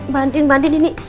bandin bandin ini